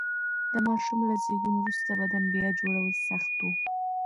د ماشوم له زېږون وروسته بدن بیا جوړول سخت و.